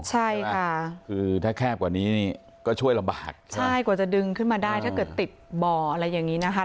ใช่ค่ะคือถ้าแคบกว่านี้ก็ช่วยลำบากใช่กว่าจะดึงขึ้นมาได้ถ้าเกิดติดบ่ออะไรอย่างนี้นะคะ